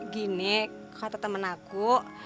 gini kata temen aku